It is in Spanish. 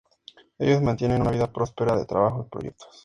Ellos mantienen una vida próspera de trabajo y proyectos.